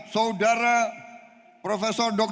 saudara prof dr iksanudin nursi